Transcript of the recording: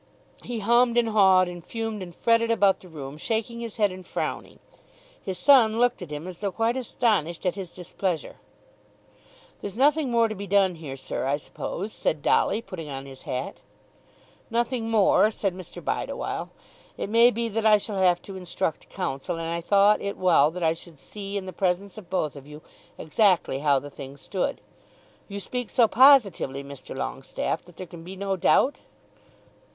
He hummed and hawed, and fumed and fretted about the room, shaking his head and frowning. His son looked at him as though quite astonished at his displeasure. "There's nothing more to be done here, sir, I suppose," said Dolly putting on his hat. "Nothing more," said Mr. Bideawhile. "It may be that I shall have to instruct counsel, and I thought it well that I should see in the presence of both of you exactly how the thing stood. You speak so positively, Mr. Longestaffe, that there can be no doubt?"